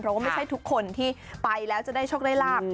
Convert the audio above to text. เพราะว่าไม่ใช่ทุกคนที่ไปแล้วจะได้โชคได้ลาบ